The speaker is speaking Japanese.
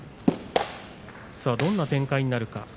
どんな展開になるか。